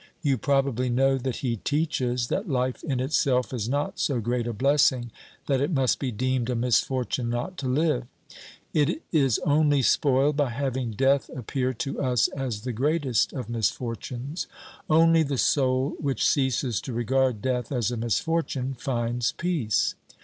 You probably know that he teaches that life in itself is not so great a blessing that it must be deemed a misfortune not to live. It is only spoiled by having death appear to us as the greatest of misfortunes. Only the soul which ceases to regard death as a misfortune finds peace.